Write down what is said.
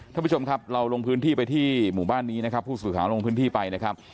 ท่านผู้ชมครับเราลงพื้นที่ไปที่หมู่บ้านนี้นะครับผู้สื่อข่าวลงพื้นที่ไปนะครับ